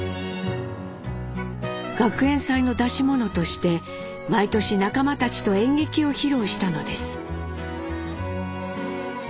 学園祭の出し物として毎年仲間たちと演劇を披露したのです。